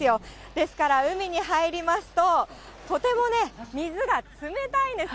ですから、海に入りますと、とてもね、水が冷たいんです。